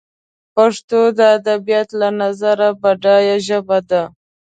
پښتو دادبیاتو له نظره بډایه ژبه ده